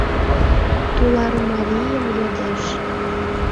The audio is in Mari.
Тулармарийым йодеш.